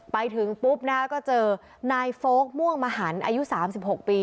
ไปถึงปุ๊บนะก็เจอนายโฟคม่วงมะหันอายุสามสิบหกปี